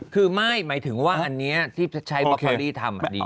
คือไม่หมายถึงว่าอันนี้ที่ใช้ทำอันนี้ดีกว่า